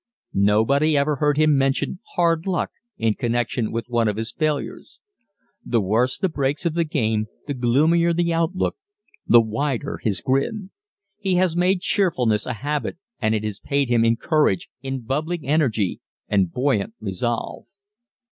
Nobody ever heard him mention "hard luck" in connection with one of his failures. The worse the breaks of the game, the gloomier the outlook, the wider his grin. He has made cheerfulness a habit, and it has paid him in courage, in bubbling energy, and buoyant resolve.